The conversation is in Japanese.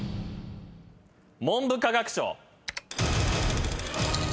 文部科学省。